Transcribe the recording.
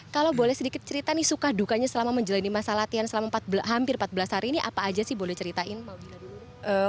kalau boleh sedikit cerita nih suka dukanya selama menjalani masa latihan selama hampir empat belas hari ini apa aja sih boleh ceritain